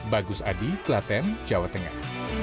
bagus adi klaten jawa tengah